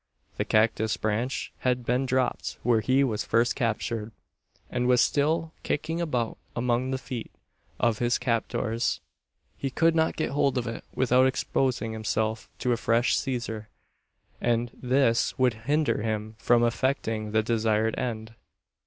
The cactus branch had been dropped where he was first captured, and was still kicking about among the feet of his captors. He could not get hold of it, without exposing himself to a fresh seizure, and this would hinder him from effecting the desired end.